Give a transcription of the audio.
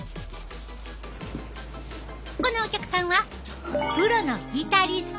このお客さんはプロのギタリスト。